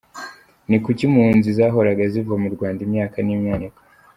“Ni kuki impunzi zahoraga ziva mu Rwanda imyaka n’imyaniko?